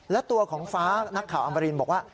และตัวของฟ้านักข่าวอมรินบอกว่า